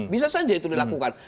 bisa saja itu dilakukan